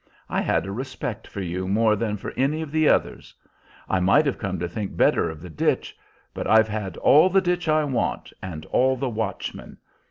I had a respect for you more than for any of the others. I might have come to think better of the ditch; but I've had all the ditch I want, and all the watchmen.